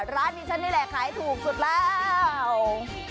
ร้านนี้ฉันนี่แหละขายถูกสุดแล้ว